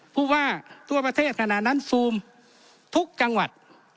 ผู้ว่าทั่วประเทศขณะนั้นฟูมทุกจังหวัด